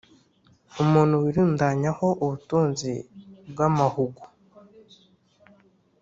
Umuntu wirundanyaho ubutunzi bw amahugu